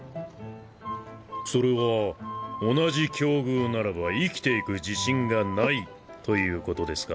それは同じ境遇ならば生きていく自信がないということですか？